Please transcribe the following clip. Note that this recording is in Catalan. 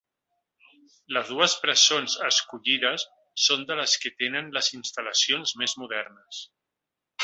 Les dues presons escollides són de les que tenen les instal·lacions més modernes.